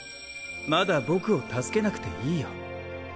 まだ僕を助けなくていいよ